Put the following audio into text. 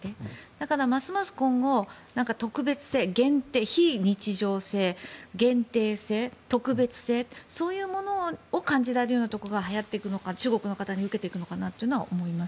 だから、ますます今後非日常性限定性、特別性そういうものを感じられるようなところがはやっていくのか中国の方に受けていくのかと思います。